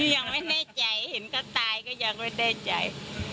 ยังไม่แน่ใจเห็นเขาตายก็ยังไม่แน่ใจ